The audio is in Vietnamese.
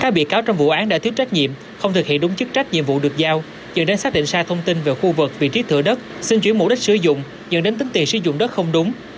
các bị cáo trong vụ án đã thiếu trách nhiệm không thực hiện đúng chức trách nhiệm vụ được giao chờ nên xác định sai thông tin về khu vực vị trí thửa đất xin chuyển mục đích sử dụng dẫn đến tính tiền sử dụng đất không đúng